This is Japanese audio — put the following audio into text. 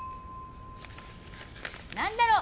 何だろう！